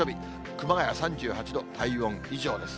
熊谷３８度、体温以上です。